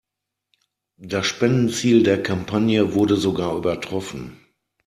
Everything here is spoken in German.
Das Spendenziel der Kampagne wurde sogar übertroffen.